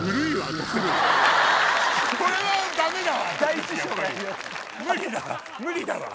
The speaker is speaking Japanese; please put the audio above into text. これはダメだわ！